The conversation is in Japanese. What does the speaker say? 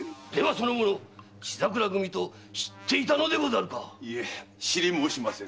その者が血桜組と知っていたのでござるか⁉いえ知り申しませぬ。